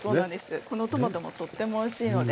このトマトもとってもおいしいので。